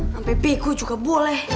sampai bego juga boleh